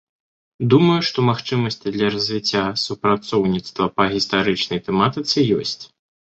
Думаю, што магчымасці для развіцця супрацоўніцтва па гістарычнай тэматыцы ёсць.